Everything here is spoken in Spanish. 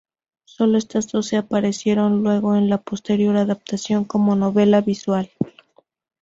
Sólo estas doce aparecieron luego en la posterior adaptación como novela visual.